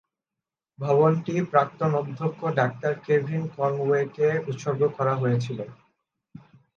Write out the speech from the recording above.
ভবনটি প্রাক্তন অধ্যক্ষ, ডাক্তার কেভিন কনওয়েকে উৎসর্গ করা হয়েছিল।